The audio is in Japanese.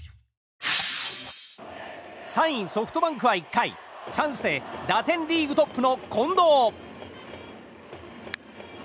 ３位、ソフトバンクは１回チャンスで打点リーグトップの近藤。